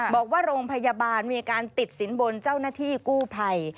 บอกว่าโรงพยาบาลมีการติดสินบนเจ้าหน้าที่กู้ภัย